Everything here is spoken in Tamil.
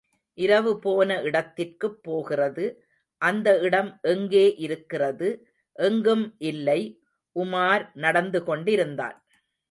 இரவு போன இடத்திற்குப்போகிறது. அந்த இடம் எங்கே இருக்கிறது. எங்கும் இல்லை. உமார் நடந்துகொண்டிருந்தான்.